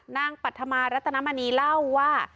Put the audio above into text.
นางปัจจัมหารัตนมันนีเล่าว่า